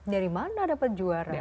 dari mana dapat juara ya kan